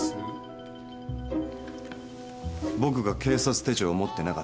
僕が警察手帳を持ってなかったから？